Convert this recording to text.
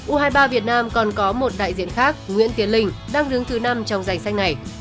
u hai mươi ba việt nam còn có một đại diện khác nguyễn tiến linh đang đứng thứ năm trong danh sách này